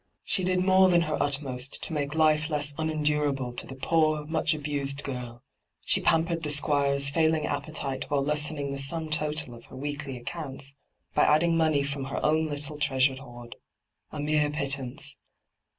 She did more than her utmost to make life less imendurable to the poor, much abused girl ; she pampered the Squire's failing appetite while lessening the sum total of her weekly accounts by adding money from her own little treasured hoard — a mere pittance.